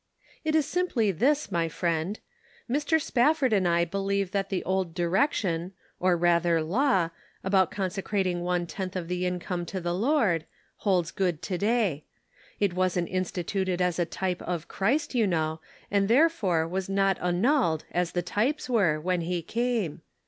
"It is simply this, my Subtle Distinctions. 137 friend ; Mr. Spafford and I believe that the old direction, or rather law, about consecrat ing one tenth of • the income to the Lord, holds good to day. It wasn't instituted as a type of Christ, you know, and therefore was not annulled as the types were, when he came.